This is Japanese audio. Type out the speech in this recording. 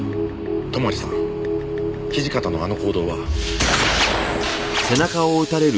泊さん土方のあの行動は。